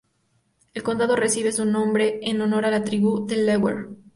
El condado recibe su nombre en honor a la tribu Delaware.